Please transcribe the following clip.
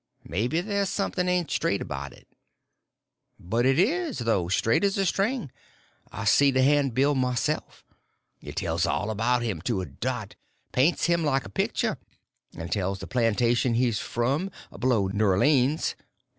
Maybe there's something ain't straight about it." "But it is, though—straight as a string. I see the handbill myself. It tells all about him, to a dot—paints him like a picture, and tells the plantation he's frum, below Newr_leans_.